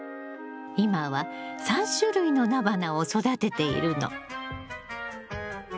今は３種類のナバナを育てているの。